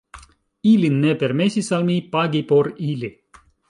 Ili ne permesis al mi pagi por ili.